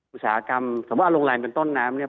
อุตสาหกรรมสมมุติโรงแรมเป็นต้นน้ำเนี่ย